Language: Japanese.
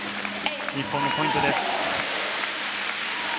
日本のポイント。